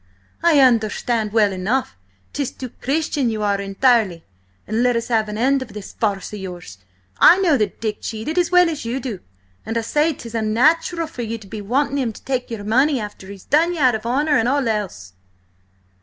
"I understand well enough. 'Tis too Christian ye are entirely. And let us have an end of this farce of yours! I know that Dick cheated as well as you do, and I say 'tis unnatural for you to be wanting him to take your money after he's done you out of honour and all else!"